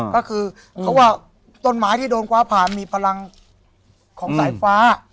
ก็คือเขาว่าต้นไม้ที่โดนฟ้าผ่านมีพลังของสายฟ้า